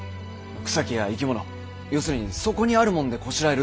草木や生き物要するにそこにあるもんでこしらえるってわけで。